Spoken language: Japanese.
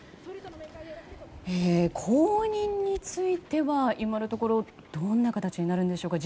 後任については今のところどんな形になるんでしょうか。